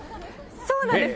そうなんです。